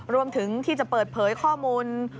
รวมถึงที่จะเปิดเผยข้อมูล